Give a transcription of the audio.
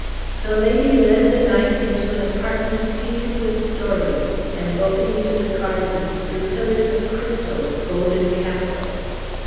The lady led the knight into an apartment painted with stories, and opening to the garden, through pillars of crystal, with golden capitals.